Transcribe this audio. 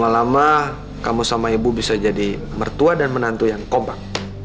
lama lama kamu sama ibu bisa jadi mertua dan menantu yang kompak